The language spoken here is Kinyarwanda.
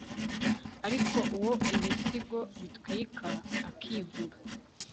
ariko uwo ibisigo bitwika akivuka